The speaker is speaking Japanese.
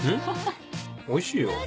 おいしいよ？